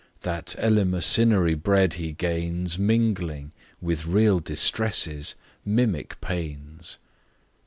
That eleemosynary bread he gains Mingling, with real distresses, mimic pains.